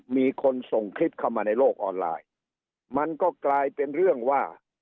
มีคนส่งคลิปเข้ามาในโลกออนไลน์มันก็กลายเป็นเรื่องว่า